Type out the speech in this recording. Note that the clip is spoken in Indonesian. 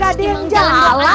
gak ada yang jalanin ralat